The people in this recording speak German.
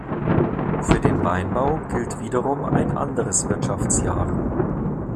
Für den Weinbau gilt wiederum ein anderes Wirtschaftsjahr.